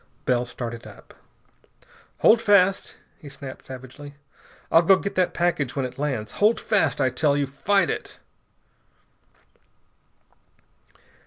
Bell started up. "Hold fast," he snapped savagely. "I'll go get that package when it lands. Hold fast, I tell you! Fight it!"